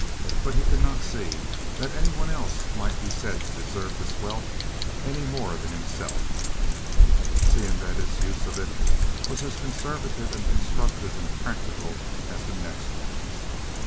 But he could not see that any one else might be said to deserve this wealth any more than himself, seeing that his use of it was as conservative and constructive and practical as the next one's.